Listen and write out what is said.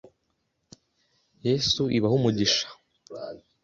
Yesu ibahe umugisha